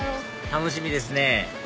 楽しみですね